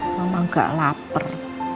mama gak lapar